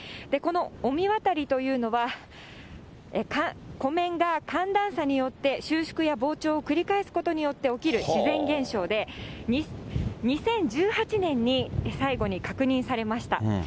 この御神渡りというのは、湖面が寒暖差によって収縮や膨張を繰り返すことによって起きる自然現象で、２０１８年に最後に確認されました。